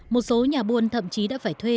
một số nhà buôn thậm chí đã phải thuê